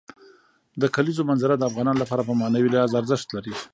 د کلیزو منظره د افغانانو لپاره په معنوي لحاظ ارزښت لري.